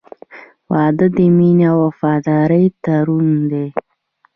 • واده د مینې او وفادارۍ تړون دی.